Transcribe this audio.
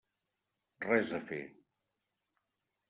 Res a fer.